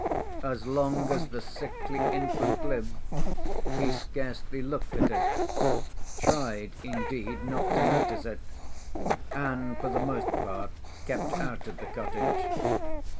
As long as the sickly infant lived he scarcely looked at it, tried indeed not to notice it, and for the most part kept out of the cottage.